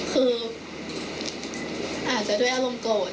คืออาจจะด้วยอารมณ์โกรธ